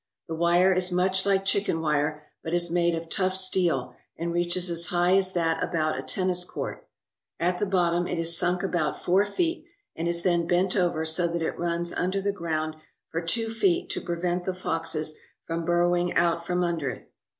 The wire is much like chicken wire, but is made of tough steel, and reaches as high as that about a tennis court. At the bottom it is sunk about four feet and is then bent over so that it runs under the ground for two feet to prevent the foxes from burrowing out from under it.